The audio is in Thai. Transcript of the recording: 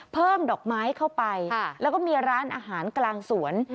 ดอกไม้เข้าไปแล้วก็มีร้านอาหารกลางสวน